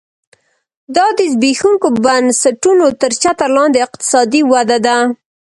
دا د زبېښونکو بنسټونو تر چتر لاندې اقتصادي وده ده